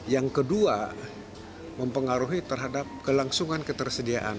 yang kedua mempengaruhi terhadap kelangsungan ketersediaan